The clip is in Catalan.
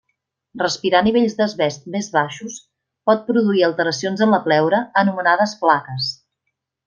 Respirar nivells d'asbest més baixos pot produir alteracions en la pleura, anomenades plaques.